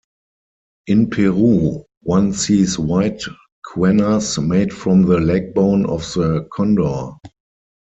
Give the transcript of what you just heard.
In Peru, one sees white quenas made from the leg-bone of the condor.